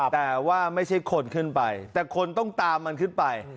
แต่ว่าไม่ใช่คนขึ้นไปแต่คนต้องตามมันขึ้นไป